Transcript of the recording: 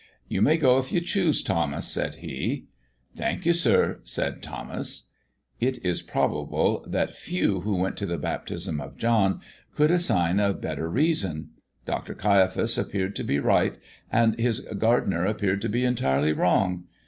"You may go if you choose, Thomas," said he. "Thank you, sir," said Thomas. It is probable that few who went to the baptism of John could assign a better reason. Dr. Caiaphas appeared to be right, and his gardener appeared to be entirely wrong.